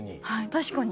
確かに。